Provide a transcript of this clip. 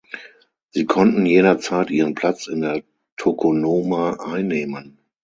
Sie konnten jederzeit ihren Platz in der Tokonoma einnehmen.